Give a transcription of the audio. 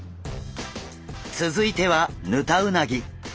続いてはヌタウナギ。